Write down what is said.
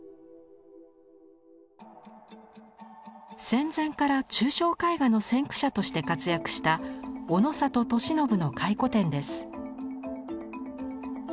戦前から抽象絵画の先駆者として活躍したオノサト・トシノブの回顧展です。